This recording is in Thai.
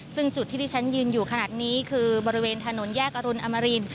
ซึ่งจุดที่ที่ฉันยืนอยู่ขนาดนี้คือบริเวณถนนแยกอรุณอมริน